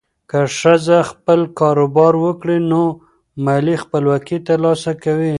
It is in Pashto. که ښځه خپل کاروبار وکړي، نو مالي خپلواکي ترلاسه کوي.